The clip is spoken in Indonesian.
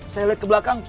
saya lihat ke belakang